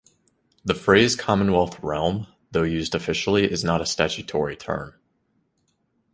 The phrase "Commonwealth realm", though used officially, is not a statutory term.